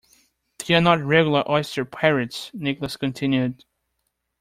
They are not regular oyster pirates, Nicholas continued.